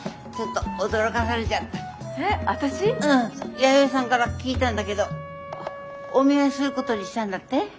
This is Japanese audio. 弥生さんから聞いたんだけどお見合いすることにしたんだって？